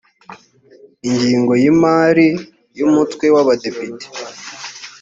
ingengo y’imari y’umutwe w’abadepite